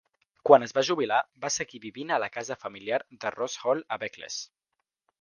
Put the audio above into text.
Quan es va jubilar, va seguir vivint a la casa familiar de Roos Hall a Beccles.